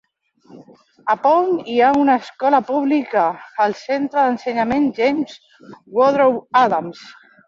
A Pound hi ha una escola pública: el centre d'ensenyament James Woodrow Adams.